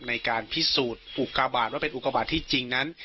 ในการพิสูจน์อุกาบาทว่าเป็นอุกาบาทที่จริงนั้น